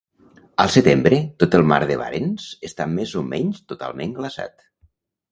Al setembre, tot el mar de Barents està més o menys totalment glaçat.